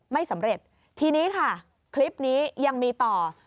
ไม่สำเร็จทีนี้ค่ะคลิปนี้ยังมีต่อ